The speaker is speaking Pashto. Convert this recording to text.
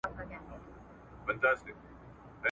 توپان نه وو اسماني توره بلا وه ,